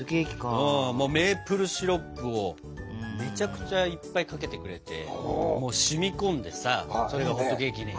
メープルシロップをめちゃくちゃいっぱいかけてくれてもう染み込んでさそれがホットケーキに。